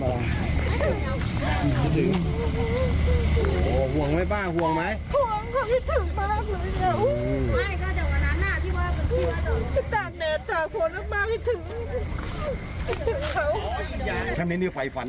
ขัดเลิกเลยเหลือเก็บงานทันตายเข้าไปออกรถ